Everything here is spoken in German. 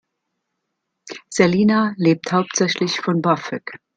Selina lebt hauptsächlich von BAföG.